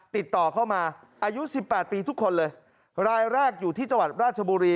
ติดต่อเข้ามาอายุสิบแปดปีทุกคนเลยรายแรกอยู่ที่จังหวัดราชบุรี